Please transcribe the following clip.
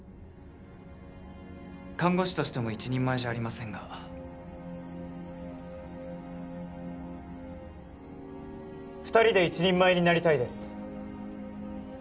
看護師としても一人前じゃありませんが二人で一人前になりたいです